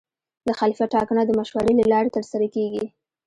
د خلیفه ټاکنه د مشورې له لارې ترسره کېږي.